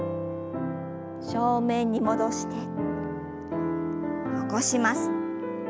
正面に戻して起こします。